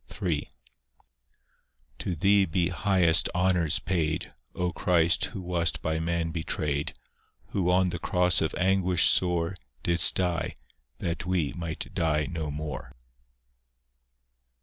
III To Thee be highest honours paid, O Christ, who wast by man betrayed, Who on the cross of anguish sore Didst die, that we might die no more.